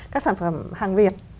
các sản phẩm hàng việt